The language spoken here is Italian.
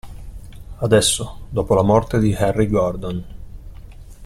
Adesso, dopo la morte di Harry Gordon.